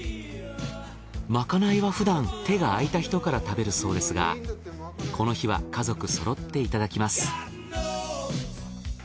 まかないはふだん手が空いた人から食べるそうですがこの日は家族そろっていただきます。